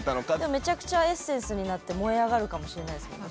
めちゃくちゃエッセンスになって燃え上がるかもしれないですもんね。